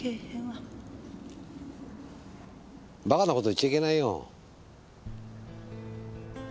バカな事言っちゃいけないよ。